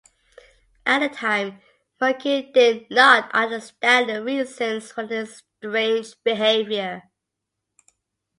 At the time, Mutke did not understand the reasons for this strange behavior.